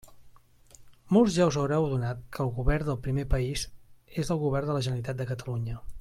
Molts ja us haureu adonat que el govern del primer país és el Govern de la Generalitat de Catalunya.